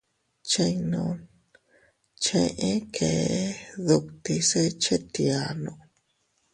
Chinno cheʼe kee dutti se chetiano.